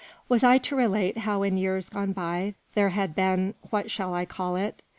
Was I to relate how in years gone by there had been what shall I call it?